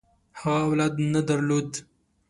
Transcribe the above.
هغه اولاد نه درلود.